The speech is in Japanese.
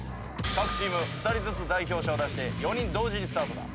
各チーム２人ずつ代表者を出して４人同時にスタートだ。